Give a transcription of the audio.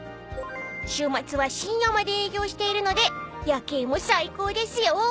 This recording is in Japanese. ［週末は深夜まで営業しているので夜景も最高ですよ］